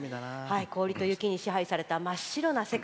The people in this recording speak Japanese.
氷と雪に支配された真っ白な世界。